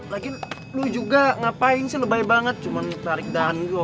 lagian lu juga ngapain sih lebay banget cuma tarik dandu